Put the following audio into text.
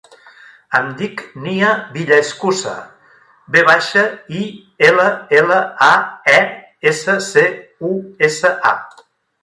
Em dic Nia Villaescusa: ve baixa, i, ela, ela, a, e, essa, ce, u, essa, a.